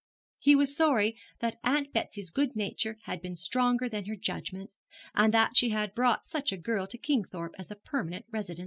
He was sorry that Aunt Betsy's good nature had been stronger than her judgment, and that she had brought such a girl to Kingthorpe as a permanent resident.